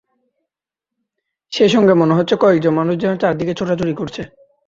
সেই সঙ্গে মনে হচ্ছে কয়েকজন মানুষ যেন চারদিকে ছোটাছুটি করছে।